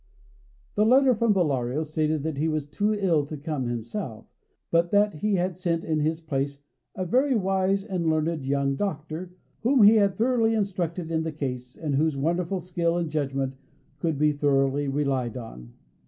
The letter from Bellario stated that he was too ill to come himself, but that he had sent in his place a very wise and learned young doctor, whom he had thoroughly instructed in the case, and whose wonderful skill and judgment could be thoroughly relied on.